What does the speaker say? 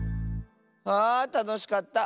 あたのしかった。